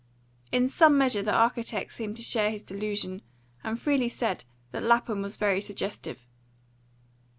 In some measure the architect seemed to share his delusion, and freely said that Lapham was very suggestive.